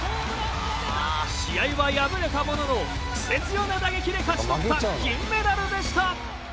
試合は敗れたもののクセ強な打撃で勝ち取った銀メダルでした。